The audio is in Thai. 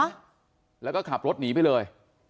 นะแล้วก็ขับรถหนีไปเลย